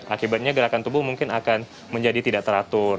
akibatnya gerakan tubuh mungkin akan menjadi tidak teratur